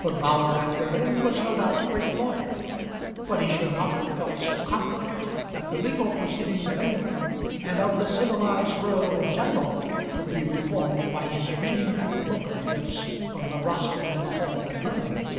Von Bauhr at Berlin was no doubt a great lawyer, but he should not have felt so confident that the legal proceedings of England and of the civilised world in general could be reformed by his reading that book of his from the rostrum in the hall at Birmingham!